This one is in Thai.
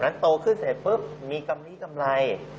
โตขึ้นเสร็จปุ๊บมีกำลีกำไร